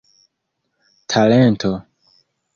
talento